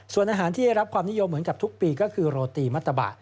ส่วนอาหารที่ได้รับความนิยมเหมือนกับทุกปีก็คือโรตีมัตตะบะ